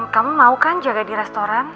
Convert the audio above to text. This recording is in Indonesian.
kamu mau kan jaga di restoran